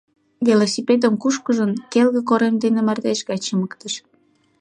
Велосипедым кушкыжын, келге корем дене мардеж гай чымыктыш.